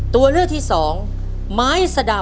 ตัวเลือกที่สองไม้สะดาว